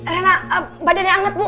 rena badannya hangat bu